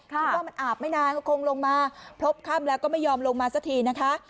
คิดว่ามันอาบไม่นานก็คงลงมาพบค่ำแล้วก็ไม่ยอมลงมาสักทีนะคะ